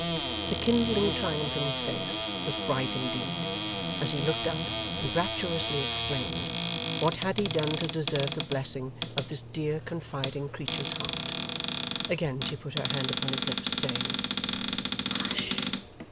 The kindling triumph in his face was bright indeed, as he looked up and rapturously exclaimed, what had he done to deserve the blessing of this dear confiding creature's heart! Again she put her hand upon his lips, saying, 'Hush!